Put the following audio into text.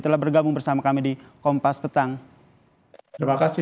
telah bergabung bersama kami di kompolnas